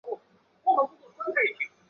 台视稍后曾于不同时段重播本作品。